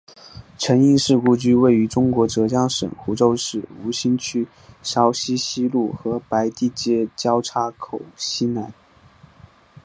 陈英士故居位于中国浙江省湖州市吴兴区苕溪西路与白地街交叉口西南。